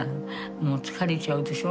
もう疲れちゃうでしょ